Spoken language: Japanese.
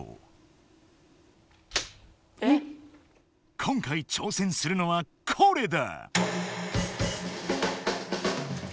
今回挑戦するのはこれだ！